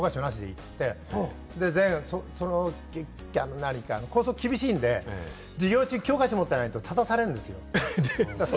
ツッパってますから、教科書なしでいいって言って、校則が厳しいんで、授業中に教科書持っていないと立たされるんですよ。